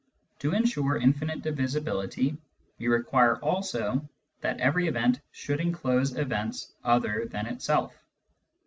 To ensure infinite divisibility, we require also that every event should enclose events other than itself.